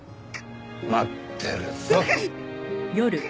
待ってるぞ！